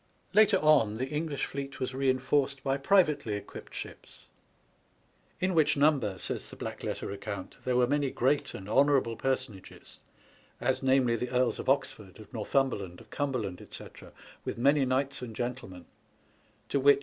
Later on the English fleet was reinforced by privately equipped ships, " in which number," says the black letter account, *' there were many great and honourable personages, as — ^namely, the Earles of Oxford, of Northumberland, of Cumberland, etc., with many knights and gentlemen : to wit.